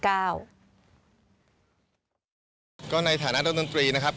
ก็ในฐานะนักดนตรีนะครับ